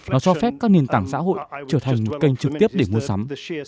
nó cho phép các nền tảng xã hội trở thành kênh trực tiếp để mua sắm